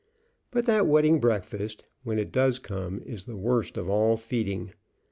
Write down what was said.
But that wedding breakfast, when it does come, is the worst of all feeding.